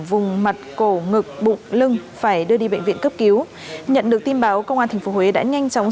vùng mặt cổ ngực bụng lưng phải đưa đi bệnh viện cấp cứu nhận được tin báo công an tp huế đã nhanh chóng